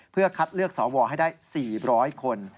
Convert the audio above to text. เพื่อคัดเลือกสวให้ได้๔๐๐คน